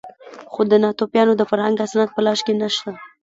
خو د ناتوفیانو د فرهنګ اسناد په لاس کې نه شته.